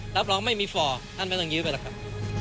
รับรองไม่มีฟอร์ท่านไม่ต้องยื้อไปหรอกครับ